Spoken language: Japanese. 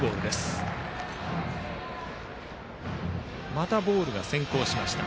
またボールが先行しました。